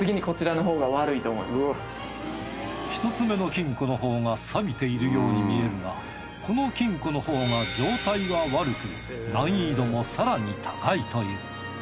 １つ目の金庫のほうがサビているように見えるがこの金庫のほうが状態は悪く難易度も更に高いという。